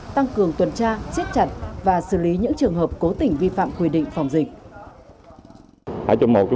tăng cường tuần tra siết chặt và xử lý những trường hợp cố tình vi phạm quy định phòng dịch